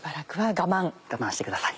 我慢してください。